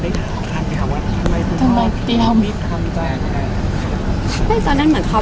ภาษาสนิทยาลัยสุดท้าย